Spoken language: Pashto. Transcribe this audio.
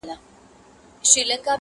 په تن خوار دی خو په عقل دی تللی!